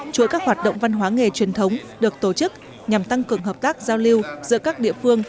chuỗi các hoạt động văn hóa nghề truyền thống được tổ chức nhằm tăng cường hợp tác giao lưu giữa các địa phương